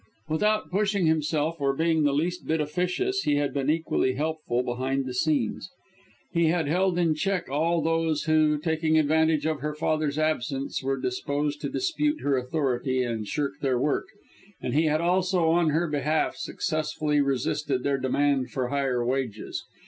Without pushing himself, or being the least bit officious, he had been equally helpful behind the scenes. He had held in check all those who, taking advantage of her father's absence, were disposed to dispute her authority and shirk their work and he had also, on her behalf, successfully resisted their demand for higher wages.